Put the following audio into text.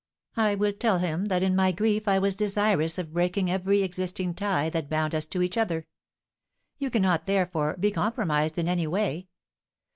I will tell him that in my grief I was desirous of breaking every existing tie that bound us to each other. You cannot, therefore, be compromised in any way.